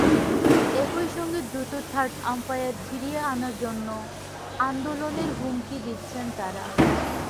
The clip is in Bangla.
একই সঙ্গে দ্রুত থার্ড আম্পায়ার ফিরিয়ে আনার জন্য আন্দোলনের হুমকি দিচ্ছেন তাঁরা।